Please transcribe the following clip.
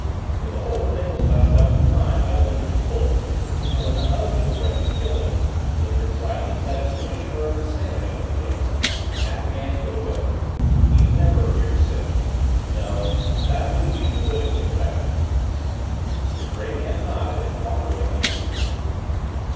But the whole thing was hushed up at the time by Linder's pull, and when the husband threatened to kill him Linder quietly set a commissioner of insanity on the case and had the man put away. He's never appeared since. No, that wouldn't be politically effective." The gray man nodded, and walked away, musing.